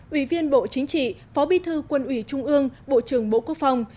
ủy viên bộ chính trị phó bi thư quân ủy trung ương bộ trưởng bộ quốc phòng